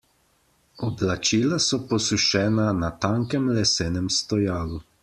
Oblačila so posušena na tankem lesenem stojalu.